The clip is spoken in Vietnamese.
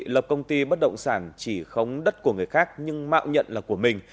lập công ty bất động sản chỉ khống đất của người khác nhưng mạo nhận là của mình